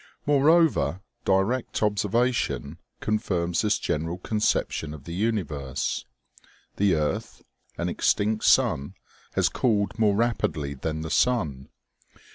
Moreover, direct observation confirms this general conception of the universe. The earth, an extinct sun, has cooled more rapidly than the sun.